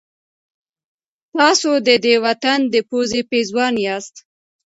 تاسو د دې وطن د پوزې پېزوان یاست.